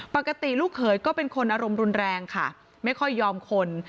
ปกติลูกเขยก็เป็นคนอารมณ์รุนแรงค่ะไม่ค่อยยอมคน